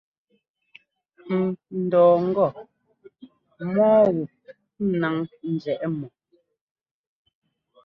N dɔɔ ŋgɔ mɔ́ɔ wu náŋ njɛ́ʼ mɔ.